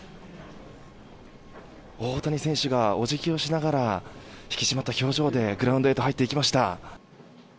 大谷選手がお辞儀をしながら引き締まった表情でグラウンドへと入っていきました。